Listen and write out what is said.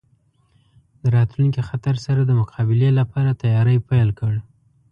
د راتلونکي خطر سره د مقابلې لپاره تیاری پیل کړ.